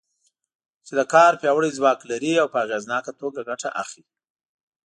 چې د کار پیاوړی ځواک لري او په اغېزناکه توګه ګټه اخلي.